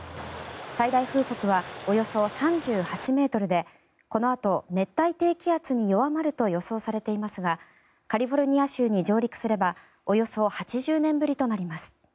最大風速はおよそ３８ｍでこのあと、熱帯低気圧に弱まると予想されていますがカリフォルニア州に上陸すればおよそ８０年ぶりとなります。